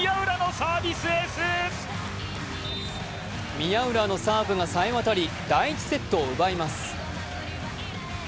宮浦のサーブがさえわたり第１セットを奪います。